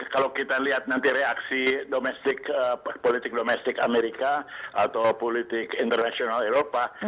kalau kita lihat nanti reaksi politik domestik amerika atau politik internasional eropa